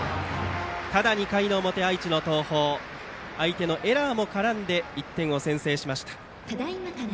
ただ２回の表、愛知の東邦相手のエラーも絡んで１点先制しました。